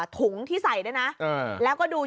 ถุงที่ใส่ด้วยนะแล้วก็ดู